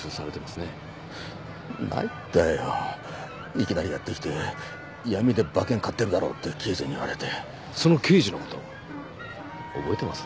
いきなりやって来て「ヤミで馬券買ってるだろう」って刑事に言われてその刑事のこと覚えてます？